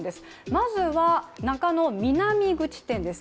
まずは、中野南口店です。